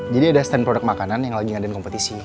jadi ada stand produk makanan yang lagi ngadain kompetisi